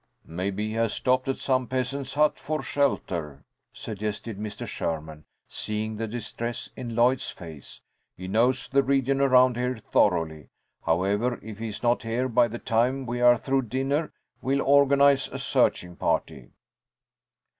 "Maybe he has stopped at some peasant's hut for shelter," suggested Mr. Sherman, seeing the distress in Lloyd's face. "He knows the region around here thoroughly. However, if he is not here by the time we are through dinner, we'll organise a searching party."